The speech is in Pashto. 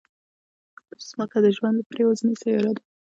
ځمکه د ژوند لپاره یوازینی سیاره ده